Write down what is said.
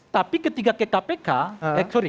tapi ketika ke kpk eh sorry